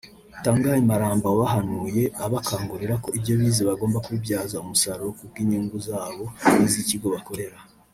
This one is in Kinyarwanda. Tongai Maramba wabahanuye abakangurira ko ibyo bize bagomba kubibyaza umusaruro ku bw’inyungu zabo n’iz’ikigo bakorera